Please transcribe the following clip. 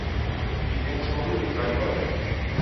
She paints solely with bright colors.